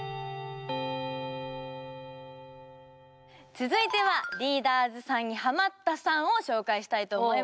続いてはリーダーズさんにハマったさんを紹介したいと思います。